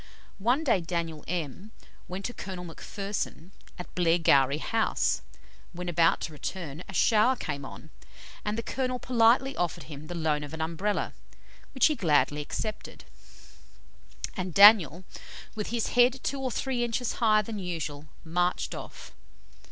One day Daniel M went to Colonel McPherson, at Blairgowrie House; when about to return, a shower came on, and the colonel politely offered him the loan of an Umbrella, which he gladly accepted, and Daniel, with his head two or three inches higher than usual, marched off.